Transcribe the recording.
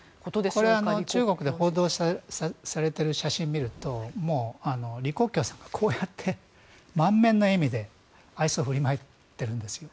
これ中国で報道されている写真を見ると李克強さんはこうやって満面の笑みで愛想を振りまいているんですよ。